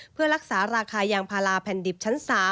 เพื่อรักษาราคายางพาราแผ่นดิบชั้น๓